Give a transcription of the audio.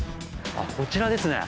こちらですね！